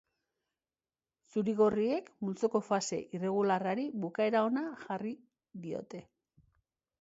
Zurigorriek multzoko fase irregularrari bukaera ona jarri diote.